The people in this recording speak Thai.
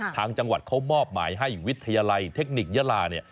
เขามอบหมายให้วิทยาลัยเทคนิคยาลาเนี่ย